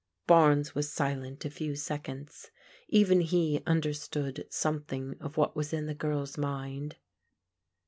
Barnes was silent a few seconds. Even he tmderstood something of what was in the girl's mind.